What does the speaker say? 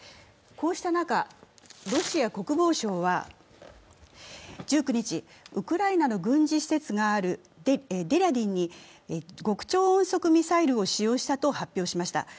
こうした中、ロシア国防省は１９日、ウクライナの軍事施設があるデリャティンに極超音速ミサイルを使用したと発表しました。